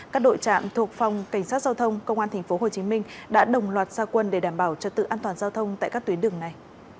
các đội trạm thuộc phòng cảnh sát giao thông công an tp hcm đã đồng loạt gia quân để đảm bảo trật tự an toàn giao thông tại các tuyến đường này